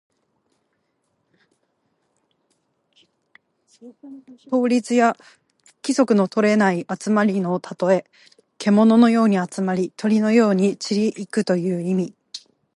統率や規律のとれていない集まりのたとえ。けもののように集まり、鳥のように散り行くという意味。